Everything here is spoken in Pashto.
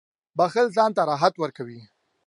• بښل ځان ته راحت ورکوي.